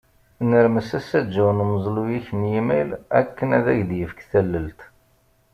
Nermes asaǧǧaw n umeẓlu-ik n yimayl akken ad ak-d-yefk tallelt.